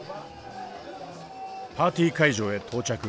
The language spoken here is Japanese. パーティー会場へ到着。